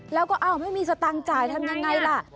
แล้วก็อ้าวไม่มีสตังค์จ่ายทำยังไงล่ะ